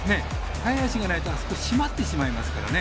速い脚がないとしまってしまいますからね。